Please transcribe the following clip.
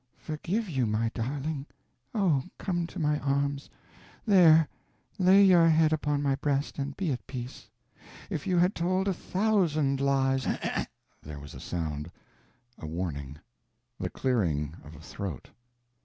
"Forgive you, my darling? Oh, come to my arms! there, lay your head upon my breast, and be at peace. If you had told a thousand lies " There was a sound a warning the clearing of a throat.